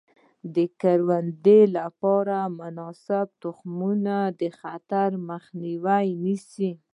د کروندې لپاره مناسبه تخمینه د خطر مخه نیسي.